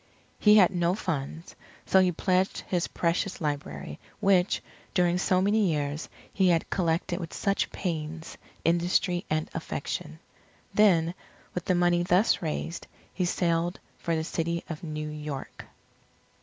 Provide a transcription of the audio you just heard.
He had no funds, so he pledged his precious library, which, during so many years, he had collected with such pains, industry, and affection. Then, with the money thus raised, he sailed for the City of New York.